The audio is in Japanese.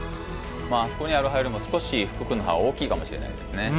あそこにある歯よりも少し福くんの歯は大きいかもしれないですね。